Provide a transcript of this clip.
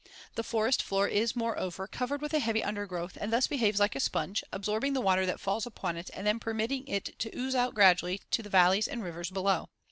The forest floor is, moreover, covered with a heavy undergrowth and thus behaves like a sponge, absorbing the water that falls upon it and then permitting it to ooze out gradually to the valleys and rivers below.